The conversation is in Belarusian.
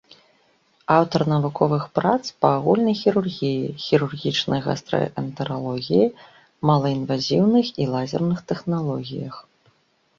Аўтар навуковых прац па агульнай хірургіі, хірургічнай гастраэнтэралогіі, малаінвазіўных і лазерных тэхналогіях.